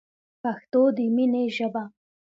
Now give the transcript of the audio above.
پښتو دی مینی ژبه